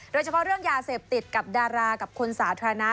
โดยเฉพาะเรื่องยาเสพติดกับดารากับคนสาธารณะ